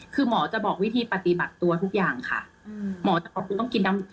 คือหมอจะบอกวิธีปฏิบัติตัวทุกอย่างค่ะหมอจะขอบคุณต้องกินน้ำ